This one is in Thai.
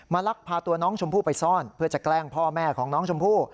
ลักพาตัวน้องชมพู่ไปซ่อนเพื่อจะแกล้งพ่อแม่ของน้องชมพู่